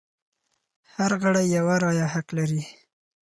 هر غړی یوه رایه حق لري.